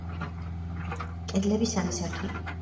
კედლები სამი სართულის სიმაღლეზეა შემორჩენილი.